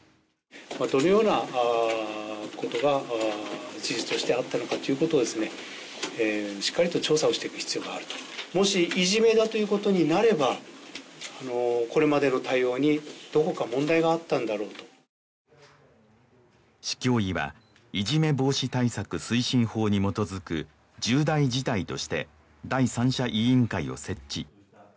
どのようなことが事実としてあったのかということをしっかりと調査をしていく必要があるともしいじめだということになればこれまでの対応にどこか問題があったんだろうと市教委はいじめ防止対策推進法に基づく重大事態として第三者委員会を設置